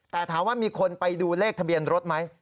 แต่ถามว่ามีคนไปดูเลขทะเบียนรถไหม